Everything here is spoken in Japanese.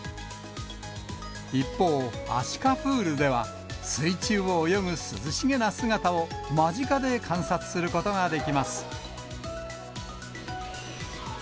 一方、アシカプールでは、水中を泳ぐ涼しげな姿を間近で観察することができます。